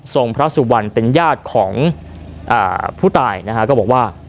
พระสุวรรณเป็นญาติของผู้ตายนะฮะก็บอกว่า